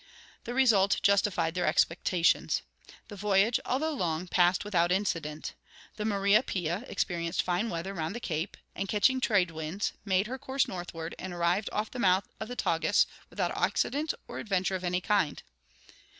The result justified their expectations. The voyage, although long, passed without incident. The Maria Pia experienced fine weather round the Cape and, catching the trade winds, made her course northward, and arrived off the mouth of the Tagus without accident or adventure of any kind.